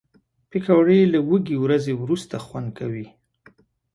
پکورې له وږې ورځې وروسته خوند کوي